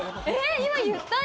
今、言ったよ。